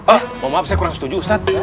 oh mohon maaf saya kurang setuju ustaz